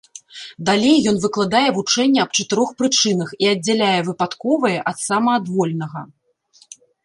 Далей ён выкладае вучэнне аб чатырох прычынах і аддзяляе выпадковае ад самаадвольнага.